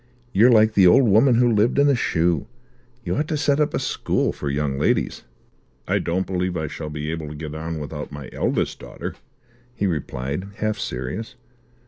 "You're like the old woman who lived in a shoe. You ought to set up a school for young ladies." "I don't believe I shall be able to get on without my eldest daughter," he replied, half serious.